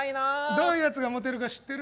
どういうやつがモテるか知ってる？